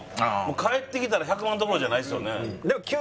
帰ってきたら１００万どころじゃないですよね。